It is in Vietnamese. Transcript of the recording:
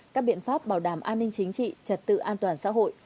các biện pháp bảo đảm an ninh chính trị trật tự an toàn xã hội